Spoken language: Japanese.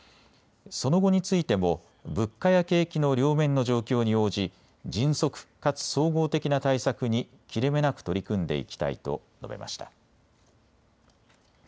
その後についても物価や景気の両面の状況に応じ迅速かつ総合的な対策に切れ目なく取り組んでいきたいと述べました。